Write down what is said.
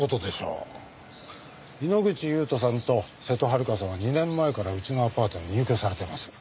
猪口勇人さんと瀬戸はるかさんは２年前からうちのアパートに入居されてます。